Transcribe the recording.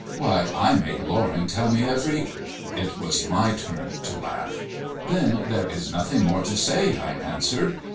Why, I made Loring tell me every " It was my turn to laugh. "Then there is nothing more to say," I answered.